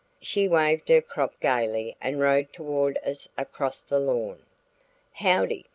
She waved her crop gaily and rode toward us across the lawn. "Howdy!"